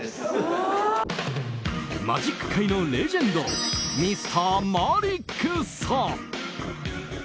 マジック界のレジェンドＭｒ．マリックさん。